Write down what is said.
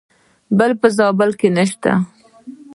بل په زابل نشته .